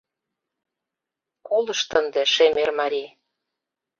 — Колышт ынде, шемер марий